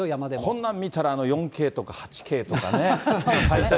こんなん見たら、４Ｋとか８Ｋとかね。